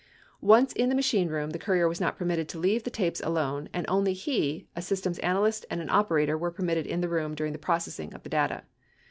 Once in the machine room, the courier was not permitted to leave the tapes alone and only he, a systems analyst, and an operator were permitted in the room during the processing of the data.